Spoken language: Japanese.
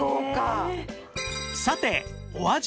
さてお味は？